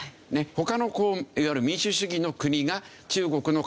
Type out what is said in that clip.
他のいわゆる民主主義の国が中国の活動を抑え込む